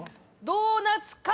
「ドーナツ化」！